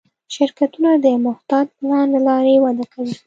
شرکتونه د محتاط پلان له لارې وده کوي.